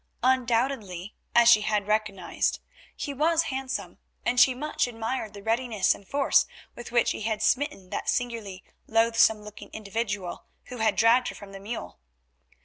Undoubtedly, as she had recognised, he was handsome, and she much admired the readiness and force with which he had smitten that singularly loathsome looking individual who had dragged her from the mule.